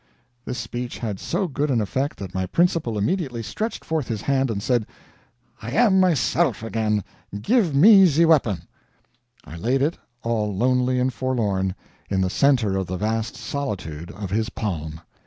This speech had so good an effect that my principal immediately stretched forth his hand and said, "I am myself again; give me the weapon." I laid it, all lonely and forlorn, in the center of the vast solitude of his palm.